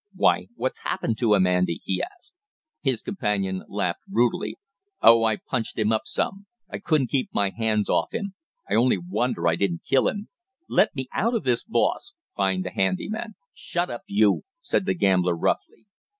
"Why, what's happened to him, Andy?" he asked. His companion laughed brutally. "Oh, I punched him up some, I couldn't keep my hands off him, I only wonder I didn't kill him " "Let me out of this, boss " whined the handy man. "Shut up, you!" said the gambler roughly.